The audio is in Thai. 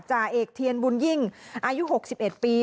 จ่าเอกเทียนบุญยิ่งอายุ๖๑ปี